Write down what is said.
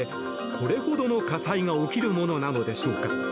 これほどの火災が起きるものなのでしょうか。